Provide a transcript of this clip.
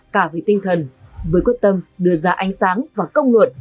cả về tinh thần với quyết tâm đưa ra ánh sáng và công luận